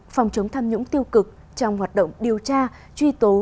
phòng chống tham nhũng tiêu cực trong hoạt động điều tra truy tố